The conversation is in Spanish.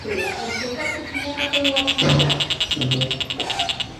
La línea no se renovó hasta los años ochenta del pasado siglo.